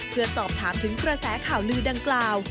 เพื่อสอบถามถึงกระแสข่าวลือดังกล่าว